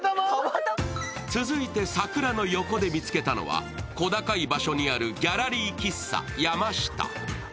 続いて桜の横で見つけたのは小高い場所にあるギャラリー喫茶やました。